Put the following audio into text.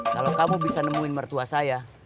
kalau kamu bisa nemuin mertua saya